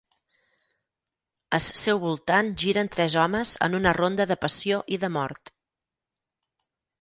As seu voltant giren tres homes en una ronda de passió i de mort.